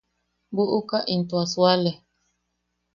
Buʼuka into a suale.